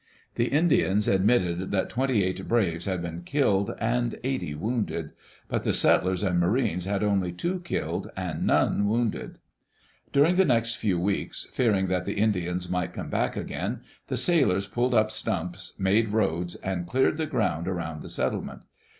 The Indians admitted that twenty eight braves had been killed and eighty wounded. But the settlers and marines had only two killed and none wounded. During the next few weeks, fearing that the Indians might come back again, the sailors pulled up stumps, made roads, and cleared the ground around the settlement.